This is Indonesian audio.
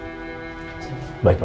kamu yang kuat